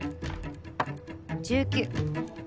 １９。